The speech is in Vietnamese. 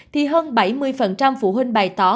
thì hơn bảy mươi phụ huynh bày tỏ